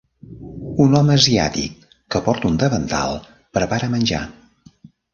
Un home asiàtic, que porta un davantal, prepara menjar.